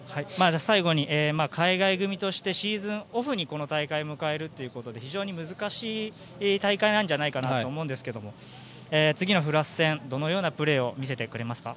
最後に、海外組としてシーズンオフにこの大会を迎えるということで非常に難しい大会じゃないかなと思うんですが次のフランス戦、どのようなプレーを見せてくれますか？